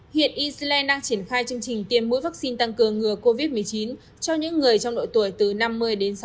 hiện eceland đang triển khai chương trình tiêm mũi vaccine tăng cường ngừa covid một mươi chín cho những người trong độ tuổi từ năm mươi đến sáu mươi